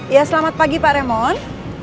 ya selamat pagi pak remon